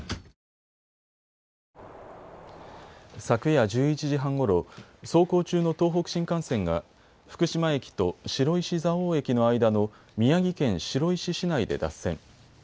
昨夜１１時半ごろ、走行中の東北新幹線が福島駅と白石蔵王駅の間の宮城県白石市内で脱線。